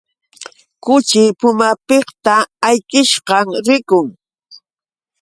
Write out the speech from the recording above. Kuchi pumapiqta ayqishpam rikun.